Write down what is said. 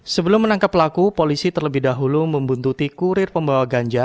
sebelum menangkap pelaku polisi terlebih dahulu membuntuti kurir pembawa ganja